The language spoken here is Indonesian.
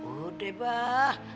udah deh pak